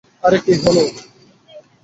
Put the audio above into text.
আরে কী হলো!